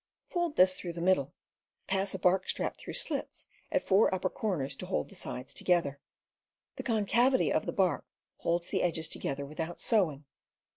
Fold this through the middle. Pass a bark strap through slits at four upper corners to hold the sides together. The concavity of the bark holds the edges together without sewing.